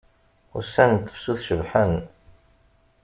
Ussan n tefsut cebḥen.